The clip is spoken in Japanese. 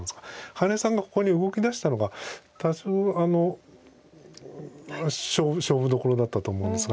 羽根さんがここに動き出したのが多少勝負どころだったと思うんですが。